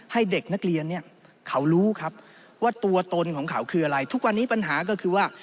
ทุกวันนี้ปัญหาก็คือว่า